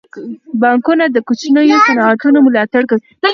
بانکونه د کوچنیو صنعتونو ملاتړ کوي.